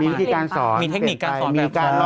มีวิธีการสอนมีเทคนิคการสอนแบบนั้น